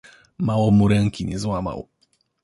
Mało mu ręki nie złamał.